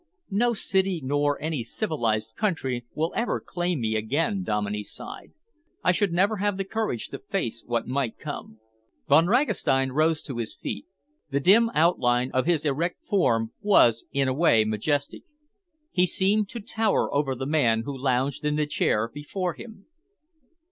"No city nor any civilised country will ever claim me again," Dominey sighed. "I should never have the courage to face what might come." Von Ragastein rose to his feet. The dim outline of his erect form was in a way majestic. He seemed to tower over the man who lounged in the chair before him.